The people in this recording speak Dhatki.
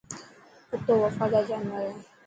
ڪتو وفادار جانور هي.